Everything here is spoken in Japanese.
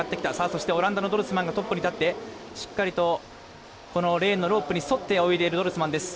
そしてオランダのドルスマンがトップに立ってしっかりとレーンのロープに沿って泳いでいるドルスマンです。